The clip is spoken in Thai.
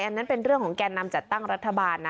อันนั้นเป็นเรื่องของแก่นำจัดตั้งรัฐบาลนะ